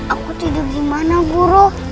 aku tidur gimana guru